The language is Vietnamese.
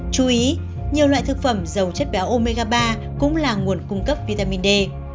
chú ý nhiều loại thực phẩm giàu chất béo omega ba cũng là nguồn cung cấp vitamin d